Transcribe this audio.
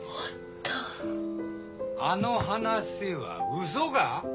あの話はウソが？